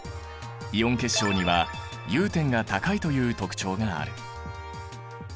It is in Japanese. イオン結晶には融点が高いという特徴がある。